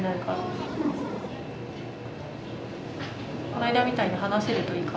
この間みたいに話せるといいかな。